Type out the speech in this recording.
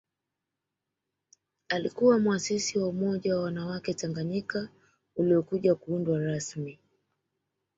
Alikuwa muasisi wa Umoja wa wanawake Tanganyika uliokuja kuundwa rasmi